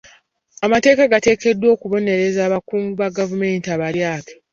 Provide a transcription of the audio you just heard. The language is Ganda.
Amateeka gateekeddwa okubonereza abakungu ba gavumenti abalyake.